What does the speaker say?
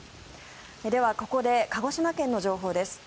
では、ここで鹿児島県の情報です。